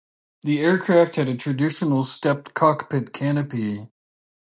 This aircraft had a traditional stepped cockpit canopy.